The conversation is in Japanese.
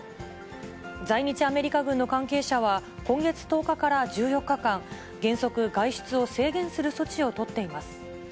在日アメリカ軍の関係者は、今月１０日から１４日間、原則、外出を制限する措置を取っています。